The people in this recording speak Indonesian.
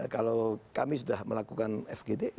kalau kami sudah melakukan fgd